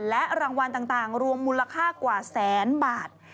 และรางวัลต่างรวมมูลค่ากว่าแสนบาท